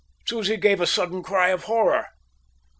Susie gave a sudden cry of horror.